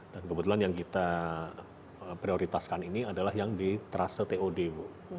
dan kebetulan yang kita prioritaskan ini adalah yang di terasa tod bu